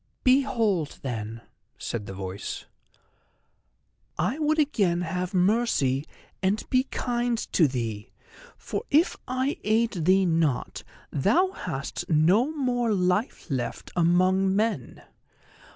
"Behold then," said the voice, "I would again have mercy and be kind to thee, for if I aid thee not thou hast no more life left among men.